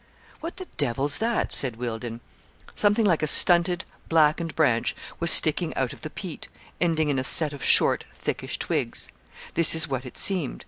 'What the devil's that?' said Wealdon. Something like a stunted, blackened branch was sticking out of the peat, ending in a set of short, thickish twigs. This is what it seemed.